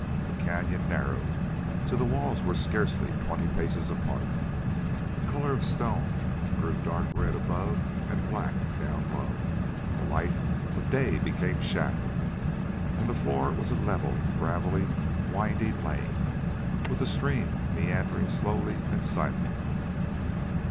The cañon narrowed till the walls were scarcely twenty paces apart; the color of stone grew dark red above and black down low; the light of day became shadowed, and the floor was a level, gravelly, winding lane, with the stream meandering slowly and silently.